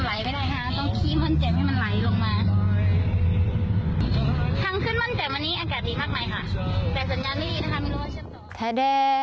แต่สัญญาณไม่ดีนะคะไม่รู้ว่าเชื่อมตัว